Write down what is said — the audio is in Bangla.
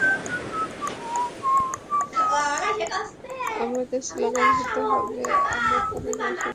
আমাদের স্লোগান হতে হবে, আমরা কোনো লাশের ছবি দেখতে চাই না।